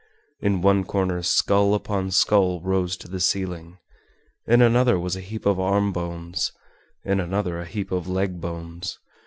In one corner skull upon skull rose to the ceiling, in another was a heap of arm bones, in another a heap of leg bones.